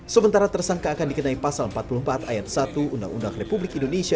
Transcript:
sementara tersangka akan dikenai pasal empat puluh empat ayat satu undang undang republik indonesia